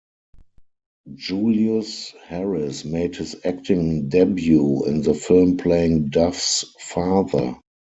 Julius Harris made his acting debut in the film playing Duff's father.